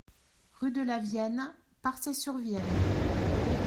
Rue de la Vienne, Parçay-sur-Vienne